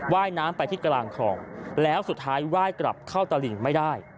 ว่ายน้ำไปที่กลางคลองแล้วสุดท้ายไหว้กลับเข้าตะหลิ่งไม่ได้